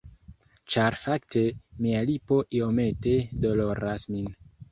Ĉar fakte mia lipo iomete doloras min.